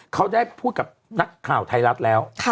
เขาได้พูดกับนักข่าวไทยรัฐแล้ว